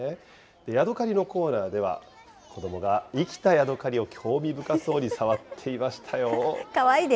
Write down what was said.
ヤドカリのコーナーでは、子どもが生きたヤドカリを興味深そうに触っていましたよ。